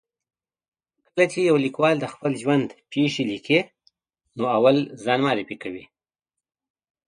کله چې یو لیکوال د خپل ژوند پېښې لیکي، نو اول ځان معرفي کوي.